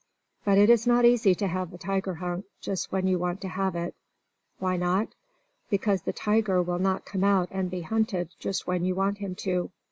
But it is not easy to have a tiger hunt just when you want to have it. Why not? Because the tiger will not come out and be hunted just when you want him to.